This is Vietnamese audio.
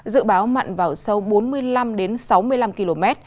dự báo mặn vào sâu bốn mươi năm sáu mươi năm km